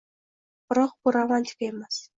Biroq, bu romantika emas...